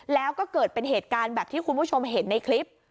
แล้วก็เกิดเป็นเหตุการณ์แบบที่คุณผู้ชมเห็นในคลิป